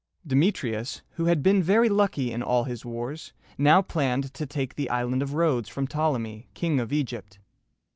Demetrius, who had been very lucky in all his wars, now planned to take the Island of Rhodes from Ptolemy, King of Egypt.